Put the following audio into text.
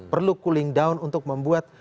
perlu cooling down untuk membuat